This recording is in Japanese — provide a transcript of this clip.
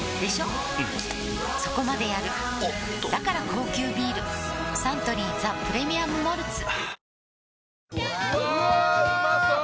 うんそこまでやるおっとだから高級ビールサントリー「ザ・プレミアム・モルツ」はぁー